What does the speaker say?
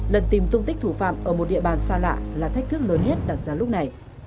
lần tìm tung tích thủ phạm ở một địa bàn xa lạ là thách thức lớn nhất đặt ra lúc này